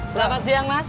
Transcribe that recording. selamat siang mas